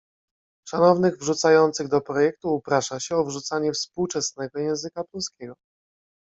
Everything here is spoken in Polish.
Szanownych wrzucających do projektu uprasza się o wrzucanie współczesnego języka polskiego.